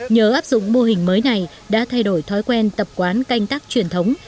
nhớ áp dụng mô hình mới này đã thay đổi thói quen tập quán canh tắc truyền thống